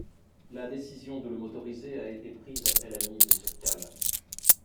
La décision de le motoriser a été prise après la mise sur cale.